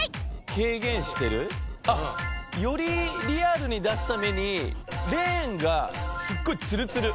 軽減してる？あっ！よりリアルに出すためにレーンがすっごいツルツル。